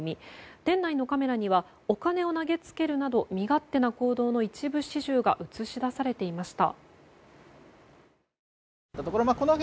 店内のカメラにはお金を投げつけるなど身勝手な行動の一部始終が映し出されていました。